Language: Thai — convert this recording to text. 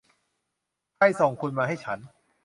ใครส่งคุณมาให้ฉัน